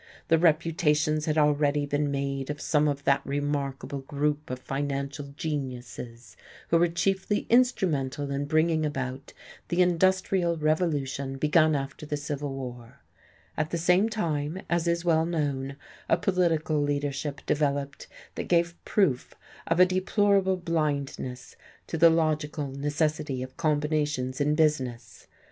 The reputations had already been made of some of that remarkable group of financial geniuses who were chiefly instrumental in bringing about the industrial evolution begun after the Civil War: at the same time, as is well known, a political leadership developed that gave proof of a deplorable blindness to the logical necessity of combinations in business.